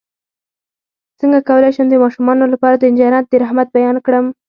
څنګه کولی شم د ماشومانو لپاره د جنت د رحمت بیان کړم